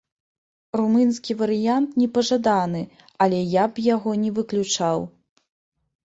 Румынскі варыянт не пажаданы, але я б яго не выключаў.